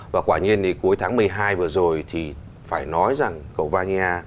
và quả nhiên thì cuối tháng một mươi hai vừa rồi thì phải nói rằng cậu vanya